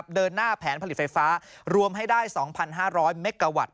เดินหน้าแผนผลิตไฟฟ้ารวมให้ได้๒๕๐๐เมกาวัตต